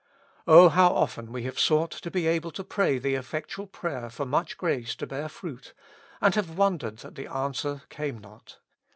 O how often we have sought to be able to pray the effectual prayer for much grace to bear fruit, and have wondered that the answer came not.